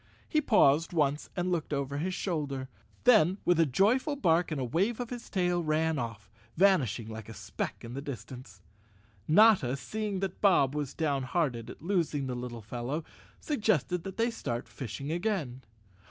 He paused once and looked over his shoulder, then with a joyful bark and wave of his tail ran off, vanishing like a speck in the distance. Notta, seeing that Bob was down¬ hearted at losing the little fellow, suggested that they start fishing again.